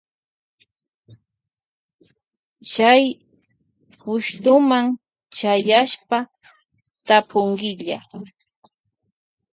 Tapunkilla Chay pushtuma chayaspa.